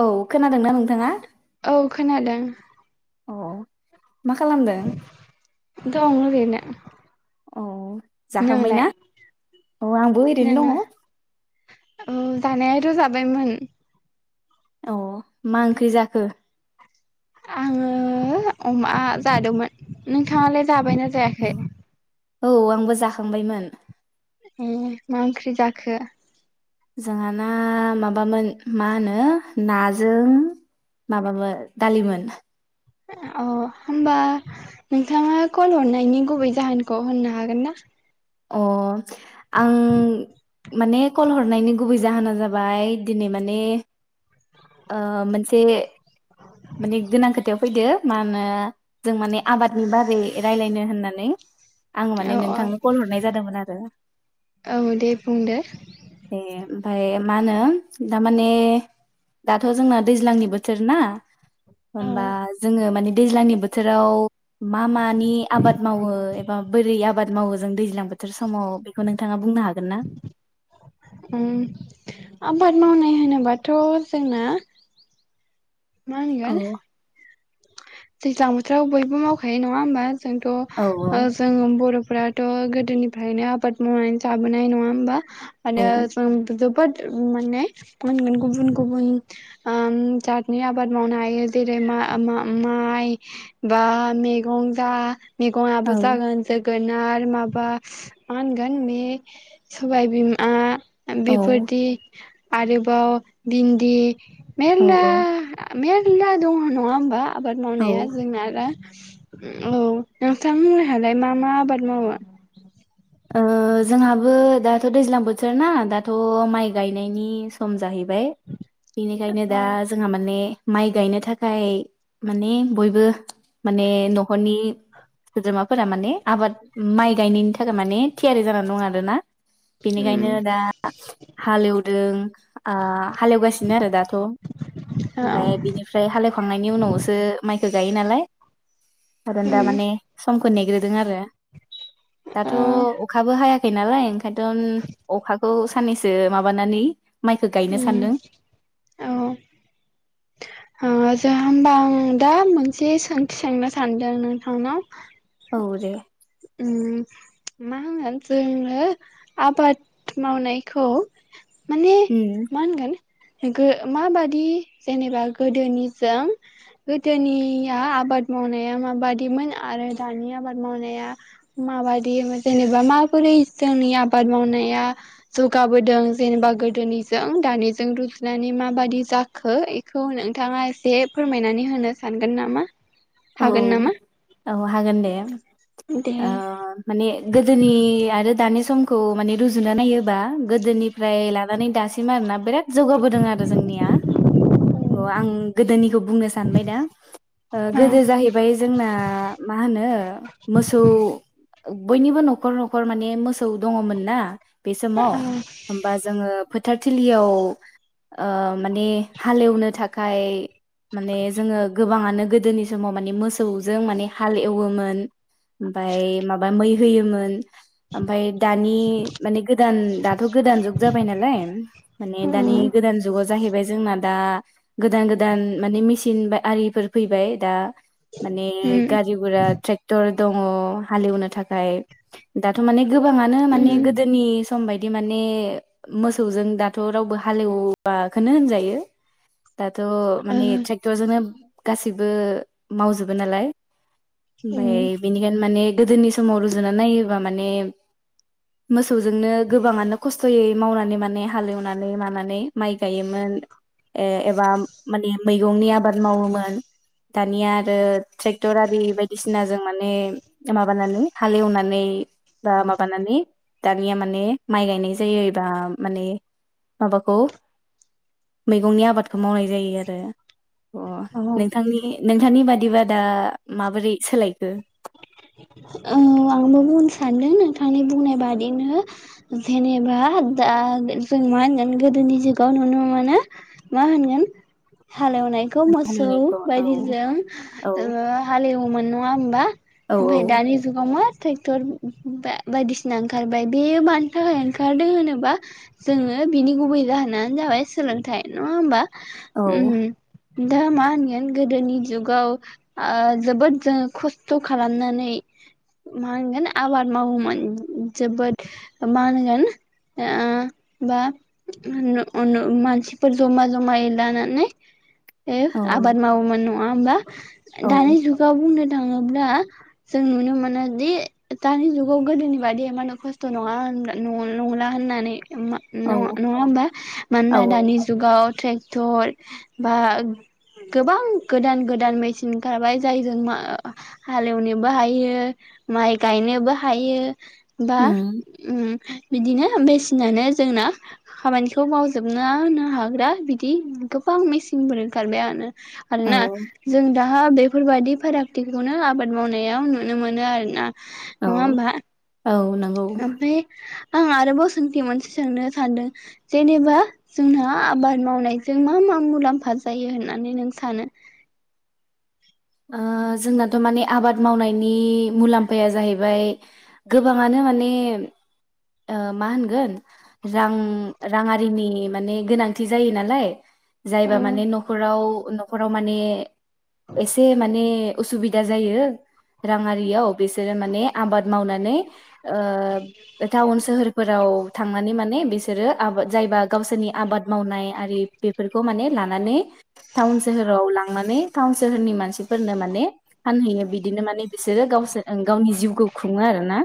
औ खोनादोंना नोंथाङा? औ खोनादों। अ दं ओरैनो। औ जाखांबाय नोंलाय ना? औ आंबो ओरैनो नोङो दंङ औ जानायाथ' जाबायमोन। औ औ मा ओंख्रि जाखो? आङो अमा जादोंमोन नोंथाङालाय जाबायना जायाखै? औ आंबो जाखांबायमोन ए मा ओंख्रि जाखो जोंहा ना माबामोन मा होनो नाजों माबामोन दालिमोन। औ होमबा नोंथाङा कल हरनायनि गुबै जाहोनखौ होननो हागोन ना। अ आं माने कल हरनायनि गुबै जाहोना जाबाय दिनै माने ओ मोनसे माने गोनां खोथायाव फैदो मा होनो जों माने आबादनि बागै रायलायनो होननानै आं औ माने औ नोंथांनो कल हरनाय जादोंमोन आरो औ दे बुंदो ए फाय मा होनो थारमाने दाथ' जोंना दैज्लांनि बोथोर ना औ होमबा जोङो मानि दैज्लांनि बोथोराव मा मानि आबाद मावो एबा बोरै आबाद मावो जों दैज्लां बोथोर समाव बेखौनो नोंथाङा बुंनो हागोन ना ओम आबाद मावनाय होनोबाथ' जोंना मा औ [unintelligible] दैज्लां बोथोराव बयबो मावखायो नङा होमबा औ जोंथ' जों बर' फ्राथ' गोदोनिफ्रायनो आबाद मावनानै जाबोनाय नङा होमबा औ मानो जों जोबोद माने [unintelligible] गुबुन गुबुन ओ जातनि आबाद मावनो हायो जेरै मा-मा माइ बा मेगं जा औ मेगङाबो जागोन जो गोनार माबा मा होनगोन बे सबाय बिमा बेफोरदि आरोबाव भिन्दि औ मेलला मेल ला दङ' नङा होमबा आबाद मावनाया औ जोंना आरो औ नोंथांमोनहालाय मा मा आबाद मावो ओ जोंहाबो दाथ' दैज्लां बोथोर ना दाथ' माइ गायनायनि सम जाहै बाय बिनिखायनो अ दा जोंहा माने माइ गायनो थाखाय माने बयबो माने न'खरनि सोद्रोमाफोरा माने आबाद माइ गायनायनि थाखाय माने थियारि जानानै दं आरो ना। उम बेनिखायनो दा हालेवदों आ हालेवगासिनो आरो दाथ' औ ओमफाय बिनिफ्राय हालेवखांनायनि उनावसो माइ गायो नालाय आरो दा उम माने समखौ नेग्रोदों आरो दाथ' ओ अखाबो हायाखै नालाय एदम अखाखौ साननैसो माबानानै माइखो गायनो उम सानदों। औ ओ जो [unintelligible] होमबा आं दा मोनसे सोंथि सोंनो सानदों नोंथांनाव औ दे उम मा होनो जोङो आबाद मावनायखौ माने उम मा होनगोन गो माबादि जेनेबा गोदोनिजों गोदोनिया आबाद मावनाया माबादिमोन आरो दानि आबाद मावनाया माबादि जेनेबा माबोरै जोंनि आबाद मावनाया जौगाबोदों जेनेबा गोदोनिजों दानिजों रुजुनानै माबादि जाखो एख खौ नोंथाङा एसे फोरमायनानै होनो सानगोन नामा? औ हागोन नामा? औ हागोन दे दे ओ माने गोदोनि आरो दानि समखौ माने रुजुना नायोबा गोदोनि फ्राय लानानै दासिम आरोना बिराद जौगाबोदों आरो जोंनिया [unintelligible] आं गोदोनिखौ बुंनो सानबाय दा ओ औ गोदो जाहैबाय जोंना मा होनो मोसौ बयनिबो नखर नखर माने मोसौ दङमोन ना बे समाव औ होमबा जोङो फोथारथिलियाव ओ माने हालेवनो थाखाय माने जोङो गोब बाङानो गोदोनि समाव माने मोसौजों माने हाल एवोमोन ओमफाय माबा मै होयोमोन। ओमफाय दानि माने गोदान दाथ' गोदान जुग जाबाय नालाय माने दानि उम गोदान जुगाव जाहैबाय जोंना दा गोदान गोदान माने मेसिन बा आरिफोर फैबाय दा माने उम गारि गुरा ट्रेक्टर दङ हालेवनो थाखाय दाथ' माने गोबाङानो उम माने गोदोनि सम बायदि माने मोसौजों दाथ' रावबो हालेवआखोनो होनजायो। दाथ' ओ माने ट्रेक्टरजोनो गासिब बो मावजोबो नालाय उम ओमफाय बिनिखायनो माने गोदोनि समाव रुजुनानै नायोबा माने मोसौजोंनो गोबाङानो खस्थयै मावनानै माने हालेवनानै मानानै माइ गायोमोन। ए एबा माने मैगंनि आबाद मावोमोन। दानिया आरो ट्रेक्टर आरि बायदिसिना जों माने ओ माबानानै हालेवनानै बा माबानानै दानिया माने माइ गायनाय जायोबा माने माबाखौ मैगंनि आबादखौ मावनाय जायो आरो अ औ नों थांनि नोंथांनि बादिबा दा माबोरै सोलायखो? औ आंबो बुंनो सानदों नोंथांनि बुंनाय बादिनो जेनेबा दा जों मा होनगोन गोदोनि जुगाव नुनो मोनो मा होनगोन? हालेवनायखौ मोसौ हालेवनायखौ औ बायदिजों औ ओ हालेवोमोन नङा ओमबा? औ ओमफाय दानि जुगाव मा हो ट्रेक्टर बा-बायदिसिना ओंखारबाय बेयो मानि थाखाय ओंखारदों होनोबा जोङो बिनि गुबै जाहोनानो जाबाय सोलोंथाइ नङा होमबा? औ उम दा मा होनगोन गोदोनि जुगाव ओ जोबोद जों खस्थ खालामनानै मा होनगोन आबाद मावोमोन जोबोद मा होनगोन ओ बा नु नु मानसिफोर जमा जमायै लानानै। ए औ आबाद मावोमोन नङ नङा होमबा? औ दानि जुगाव बुंनो थाङोब्ला जों नुनो मोनो दि दानि जुगाव गोदोनि बायदि मानो खस्थ नङा होन नंला होननानै मा नङा औ नङा ओमबा औ मानोना दानि जुगाव ट्रेक टर बा गोबां गोदान गोदान मेचिन ओंखारबाय जायजों मा हालेवनोबो हायो माइ गायनोबो हायो। बा उम उम बिदिनो मेसिनानो जोंना खामानिखौ मावजोबना होनो हाग्रा बिदि गोबां मेचिनफोर ओंखारबाय आनो औ आरोना जों दा हा बेफोरबायादि फारागथिखौनो आ आबाद मावनायाव नुनो मोनो आरो ना? औ औ नों ओमफाय आं आरोबाव सोंथि मोनसे सोंनो सानदों जेनेबा जोंहा आबाद मावनायजों मा मा मुलाम्फा जायो होननानै नों सानो? ओ जोंनाथ माने आबाद मावनायनि मुलाम्फाया जाहैबाय गोबाङानो माने ओ मा होनगोन रां रांआरिनि माने गोनांथि जायो नालाय। जायबा औ माने न'खराव नखराव माने एसे ए माने असुबिदा जायो रांआरियाव बिसोरो माने आबाद मावनानै। ओ टाउन सोहोरफोराव। थांनानै माने बिसोरो आबाद जायबा गावसोरनि आबाद मावनाय आरि बेफोरखौ माने लानानै। थावन सोहोराव लां माने टाउन सोहोरनि मा मानसिफोरनो माने फानहैयो बिदिनो माने बिसोरो गावसोर ओं गावनि जिउखौ खुङो आरो ना।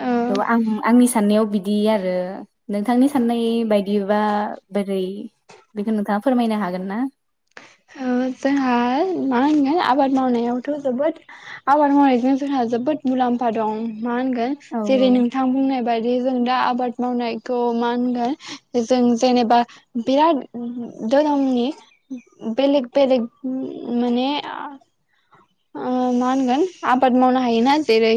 औ थ आं आंनि साननायाव बि दि आरो। नोंथांनि साननाय बाय दिबा बोरै बेखो नोंथाङा फोरमायनो हागोन ना। ओ जोंहा मा होनगोन आबाद मावनायावथ जोबोद आबाद मावनायजों जोंहा जोबोद मुलाम्फा दं। मा होनगोन औ जेरै नोंथां बुंनाय बादि जों दा बाद मावनायखौ मा होनगोन जों जेनेबा बिराद धोरोमनि बेलेग बेलेग माने ओ मा होनगोन आबाद मावनो हायोना जेरै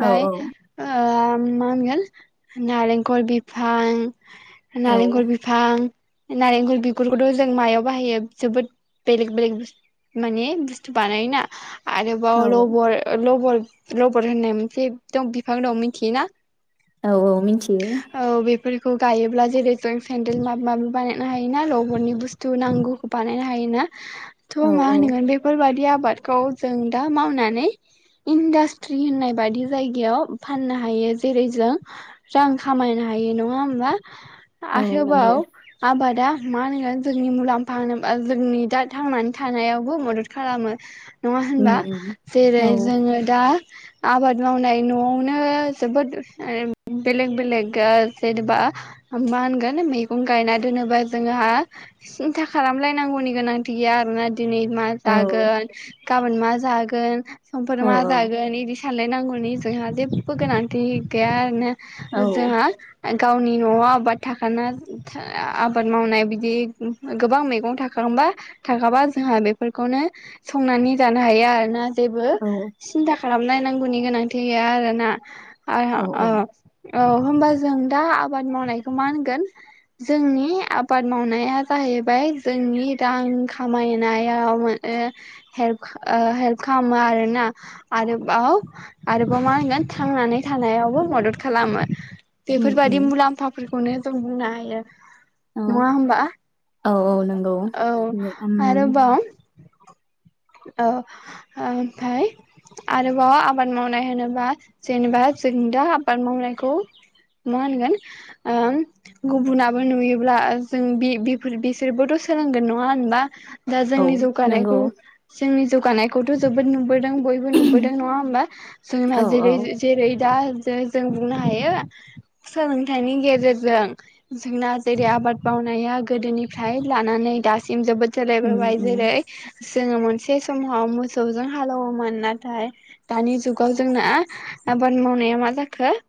औ ओ मा होनगोन नारेंखल बिफां नालेंखल औ बिफां नारेंखल बिगुरखौथ' जों मायाव बाहायो जोबोद बेलेग बेलेग माने बुस्थु बानायोना आरोबाव औ लबर लबर रबर होननाय मोनसे दं बिफां दं मिथियोना औ औ मिन्थियो फोरखौ गायोब्ला जेरै जों सेन्देल माब माबि बानायनो हायोना लबरनि बुस्थु नांगौ बानायनो हायोना औ थ' मा औ होनगोन बेफोरबायादिया आबादखौ जों दा मावनानै इन्डासट्रि होननाय बायि जायगायाव फाननो हायो जेरै जों रां खामायनो हायो नङा होमबा औ नंगौ आहोबाव आबाद दा मा होनगोन जोंनि मुलाम फानोबा जोंनि दा थांनानै थानायावबो मदद खालामो नङा उम होनबा उम औ जेरै जोङो दा आबाद मावनाय न'आवनो जोबोद ओ बेलेग बेलेग ओ जेनेबा मा होनगोन मैगं गायना दोनोबा जोंहा था खालामलायनांगौनि गोनांथि गैया आरो ना दिनै मा औ जागोन गाबोन मा जागोन समफोर औ मा जागोन इदिस सानलायनांगौनि जोंहा जेबो गोनांथि गैया आर ना। औ जोंहा गावनि न'आव आबाद थाखाना आबाद मावनाय बिदि गोबां मैगं थाखांबा थाखाबा जोंहा बेफोरखौनो संनानै जानो हायो आरोना। जेबो औ सिन्था खालामनाय नांगौनि गोनांथि गैया आरोना। आ औ औ अह। औ होमबा जों दा आबाद मावनायखौ मा होनगोन जोंनि आबाद मावनाया जाहैबाय जोंनि रां खामायनायाव म ओ हेल्प खा ओ हेल्प खालामो आरोना आरोबाव आरोबाव मा होनगोन थांनानै थानायावबो मदद खालामो। उम बेफोरबायदि उम मुलाम्फाफोरखौ खौनो जों बुंनो हायो। औ नङा होमबा? औ औ नंगौ औ नोंथां। आरोबाव औ ओमफ्राय आरोबाव आबाद मावनाय होनोबा जेनेबा जों दा आबाद मावनायखौ मा होनगोन ओ गुबुनाबो नुयोब्ला जों बे बि बिसोरबोथ' सोलोंगोन नङा होनबा? दा औ जोंनि जौगानायखौ नंगौ जोंनि जौगानायखौथ' जोबोद नुबोद बयबो नुबोदों नङा होमबा जोंना औ औ जेरै जेरै दा जै जों बुंनो हायो सोलोंथाइनि गेजेरजों जोंना जेरै आबाद मावनाया गोदोनिफ्राय लानानै दासिम जोबोद उम सोलायबोबाय उम जेरै जोङो मोनसे समाव मोसौजों हालौवोमोन नाथाय दानि जुगाव जोंना आबाद मावनाया मा जाखो दानि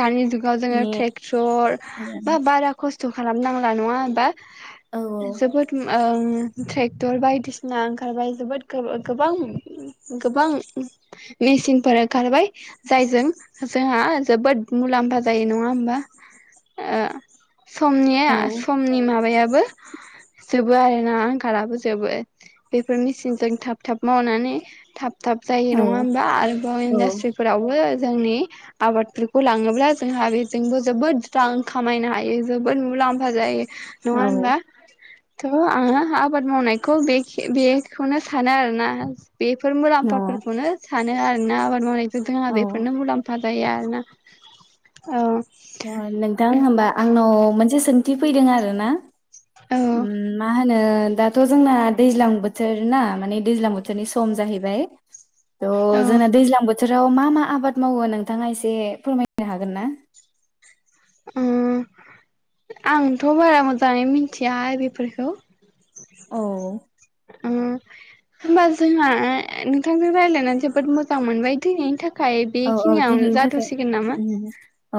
दानि जुगाव जोङो माने ट्रेक्टर बा बारा खस खस्थ' खालामनांला नङा होमबा? औ जोबोद उम ओम ट्रेक्टर बायदिसिना ओंखारबाय जोबोद गोबां गोबां मेसिनफोर ओंखारबाय जायजों जोंहा जोबोद मुलाम्फा जायो नङा होमबा ओह? औ समनिआ समनि माब माबायाबो जोबो आरोना आंखालाबो जोबो बेफोर मेचिनजों थाब थाब मावनानै थाब थाब जायो औ नङा होमबा आरोबाव औ इन्डास्ट्रिफोरावबो जोंनि आबादफोरखौ लाङोब्ला जोंहा बेजोंबो जोबोद रां खामायनो हायो जोबोद मुलाम्फा जायो। नङा औ होनबा? थ' आङो आबाद मावनायखौ बे बेखौनो सानो आरोना। बेफोर मुलाम्फाफोरखौनो सानो आरो। [unintelligible] आबाद मावनाय जोंहा औ बेफोरनो मुलामफा जायो आरोना औ। नोंथां होमबा आंनाव मोनसे सोंथि फैदों आरो ना। औ उ माह नो दाथ' जोंना दैज्लां बोथोर ना माने दैज्लां बोथोरनि सम जाहैबाय औ त' जोंना दैज्लां बथोर। औ मा मा आबाद मावो नोंथाङा एसे फोरमायनो हागोन ना। ओ आंथ' बारा मोजाङै मिथिया बेफोरखौ। औ। उम होनबा जोंहा नोंथांजों रायज्लायनानै जोबोद मोजां मोनबाय दिनैनि थाखाय औ औ बेखिनियावनो दिनैनि थाखाय जाथ'सिगोन नामा?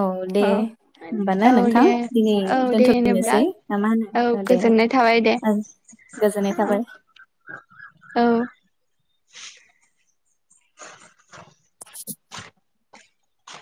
औ दे होनोमबा ना औ नोंथां दे दिनै औ दे होनोब्ला दोनथ'फैनोसै ना मा होनो औ दे गोजोननाय थाबाय दे ओ गोजोननाय थाबाय। औ।